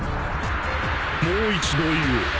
もう一度言おう。